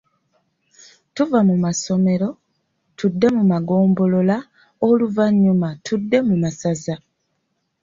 Tuva mu masomero, tudde mu magombolola oluvannyuma tudde mu masaza.